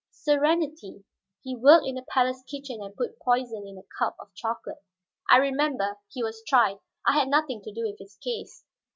"Serenity, he worked in the palace kitchen and put poison in a cup of chocolate." "I remember. He was tried; I had nothing to do with his case."